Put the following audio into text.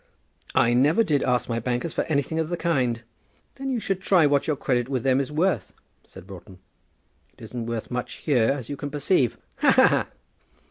"I never did ask my bankers for anything of the kind." "Then you should try what your credit with them is worth," said Broughton. "It isn't worth much here, as you can perceive. Ha, ha, ha!"